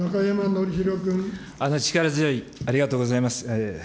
力強い、ありがとうございます。